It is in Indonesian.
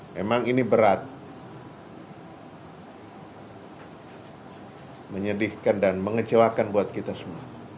memang ini berat menyedihkan dan mengecewakan buat kita semua